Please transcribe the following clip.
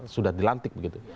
sudah dilantik begitu